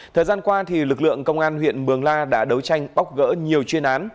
thời gian qua lực lượng công an huyện mường la đã đấu tranh bóc gỡ nhiều chuyên án